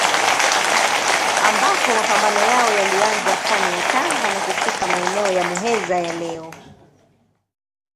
Ambapo mapambano yao yalianza pwani ya Tanga na kufika maeneo ya Muheza ya leo.